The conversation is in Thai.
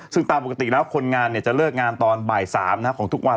ซึ่งตามปกติแล้วคนงานจะเลิกงานตอนบ่าย๓ของทุกวัน